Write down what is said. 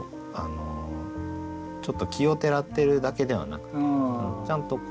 ちょっと奇をてらってるだけではなくてちゃんと伴っているなと。